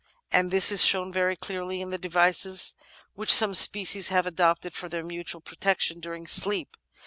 And this is shown very clearly in the devices which some species have adopted for their mutual protection during sleep.